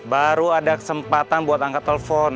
baru ada kesempatan buat angkat telepon